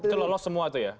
itu lolos semua itu ya